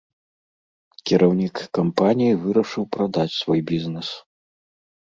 Кіраўнік кампаніі вырашыў прадаць свой бізнэс.